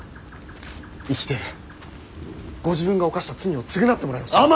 生きてご自分が犯した罪を償ってもらいましょう。